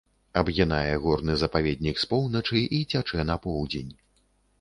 Абгінае горны запаведнік з поўначы і цячэ на поўдзень.